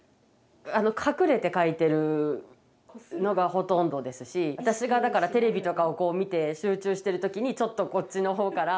隠れて描いてるのがほとんどですし私がだからテレビとかをこう見て集中してる時にちょっとこっちの方から。